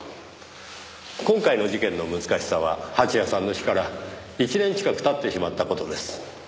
今回の事件の難しさは蜂矢さんの死から１年近く経ってしまった事です。